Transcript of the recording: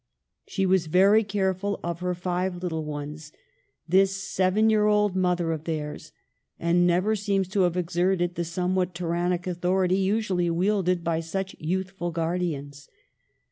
She was 2 6 EMILY BRONTE. very careful of her five little ones, this seven year old mother of theirs, and never seems to have exerted the somewhat tyrannic authority usually wielded by such youthful guardians.